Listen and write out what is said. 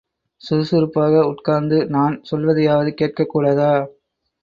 சுறுசுறுப்பாக உட்கார்ந்து நான் சொல்வதையாவது கேட்கக் கூடாதா?